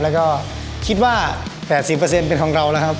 แล้วก็คิดว่า๘๐เป็นของเรานะครับ